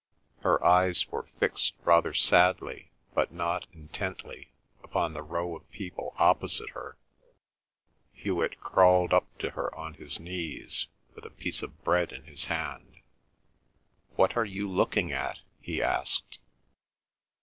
Her eyes were fixed rather sadly but not intently upon the row of people opposite her. Hewet crawled up to her on his knees, with a piece of bread in his hand. "What are you looking at?" he asked.